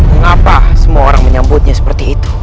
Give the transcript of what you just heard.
mengapa semua orang menyambutnya seperti itu